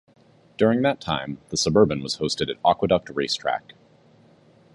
During that time, the Suburban was hosted at Aqueduct Racetrack.